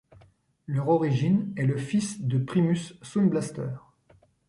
Leur origine est le fils de Primus Soundblaster.